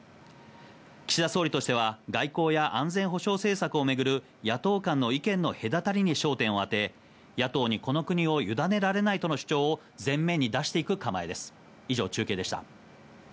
岸田総理としては外交や安全保障政策をめぐる野党間の意見の隔たりに焦点を当て、野党にこの国をゆだねられないとの主張を前面に出していく構えです。